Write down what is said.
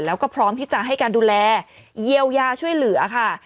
แล้วก็พร้อมที่จะให้การดูแลเยียวยาช่วยเหลือค่ะ